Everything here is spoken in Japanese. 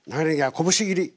こぶし切り。